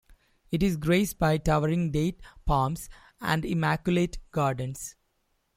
It is graced by towering date palms and immaculate gardens.